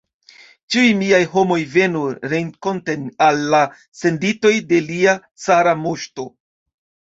Ĉiuj miaj homoj venu renkonten al la senditoj de lia cara moŝto!